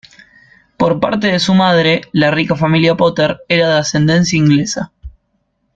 Por parte de su madre —la rica familia Potter—, era de ascendencia inglesa.